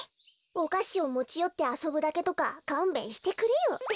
おかしをもちよってあそぶだけとかかんべんしてくれよ。